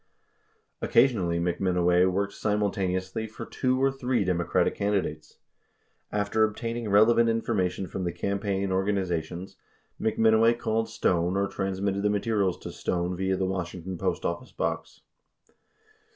73 Occasionally McMinoway worked simultaneously for two or three Democratic candidates. 74 After obtaining relevant information from the campaign organiza tions, McMinoway called Stone or transmitted the materials to Stone via the Washington post office box.